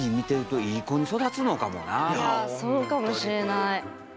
いやそうかもしれない。